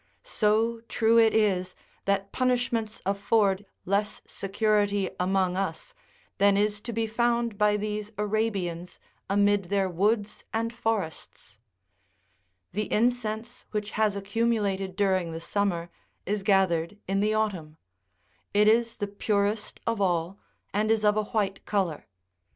So true it is that punishments afford less security among us than is to be found by these Arabians amid their woods and forests ! The incense which has accumulated during the summer is gathered in the autumn : it is the purest of all, and is of a white colour.